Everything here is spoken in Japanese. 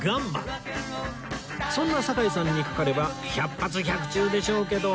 そんな堺さんにかかれば百発百中でしょうけど